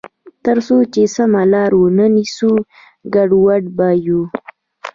تر څو چې سمه لار ونه نیسو، ګډوډ به یو.